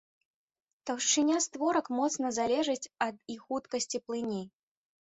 Таўшчыня створак моцна залежыць ад і хуткасці плыні.